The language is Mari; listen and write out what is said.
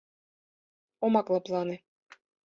— Омак лыплане!